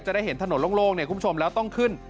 จะได้เห็นถนนโล่งคุณผู้ชมแล้วต้องขึ้น